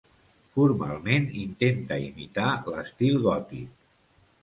Formalment intenta imitar l'estil gòtic.